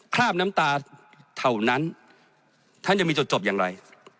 คราบน้ำตาเท่านั้นท่านจะมีจุดจบอย่างไร